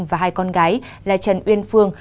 và hai con gái là trần uyên phương